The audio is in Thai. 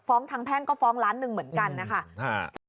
ฟ้องทั้งแพ่งก็ฟ้องล้านหนึ่งเหมือนกันนะค่ะค่ะ